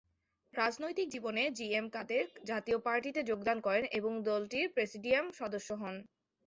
রাজনৈতিক জীবনে জিএম কাদের জাতীয় পার্টিতে যোগদান করেন এবং দলটির প্রেসিডিয়াম সদস্য হন।